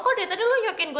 kok dari tadi lu nyokin gue